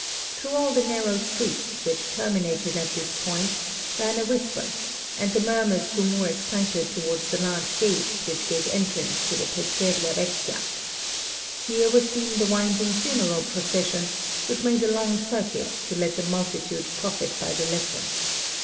Through all the narrow streets, which terminated at this point, ran a whisper; and the murmurs grew more excited towards the large gate which gave entrance to the Pescheria Vecchia. Here was seen the winding funeral procession, which made a long circuit to let the multitude profit by the lesson.